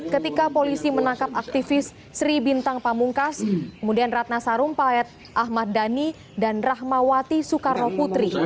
ketika polisi menangkap aktivis sri bintang pamungkas kemudian ratna sarumpayat ahmad dhani dan rahmawati soekarno putri